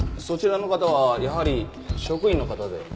そちらの方はやはり職員の方で？